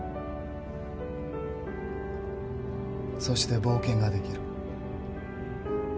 そして冒険ができる。